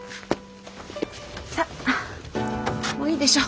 さあもういいでしょ。